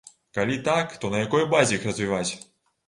Калі так, то на якой базе іх развіваць?